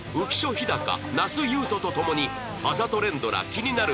飛貴那須雄登とともにあざと連ドラ気になる